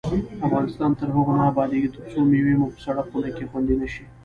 افغانستان تر هغو نه ابادیږي، ترڅو مېوې مو په سړه خونه کې خوندي نشي.